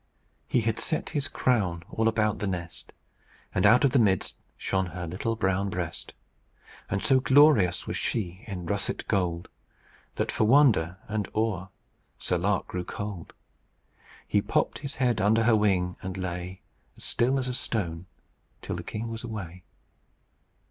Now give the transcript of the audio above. "He had set his crown all about the nest, And out of the midst shone her little brown breast; And so glorious was she in russet gold, That for wonder and awe Sir Lark grew cold. He popped his head under her wing, and lay As still as a stone, till the king was away."